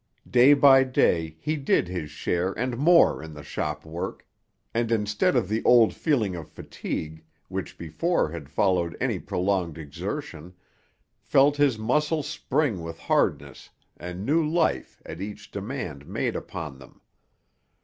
Day by day he did his share and more in the shop work, and instead of the old feeling of fatigue, which before had followed any prolonged exertion, felt his muscles spring with hardness and new life at each demand made upon them.